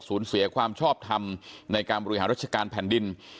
เสียความชอบทำในการบริหารราชการแผ่นดิน